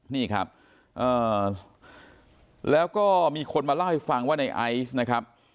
นี่ครับแล้วก็มีคนมาเล่าให้ฟังว่าในไอซ์นะครับ